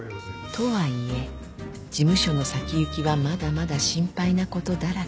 ［とはいえ事務所の先行きはまだまだ心配なことだらけ］